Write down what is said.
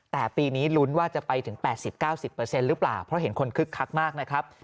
แต่ปีนี้ลุ้นว่าจะไปถึง๘๐๙๐หรือเปล่าเพราะเห็นคนคึกคักมากนะครับ